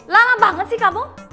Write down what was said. lama banget sih kamu